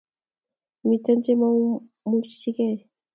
Mitei chemaiumuchikei